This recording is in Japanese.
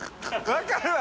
分かるわ！